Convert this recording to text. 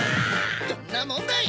どんなもんだい！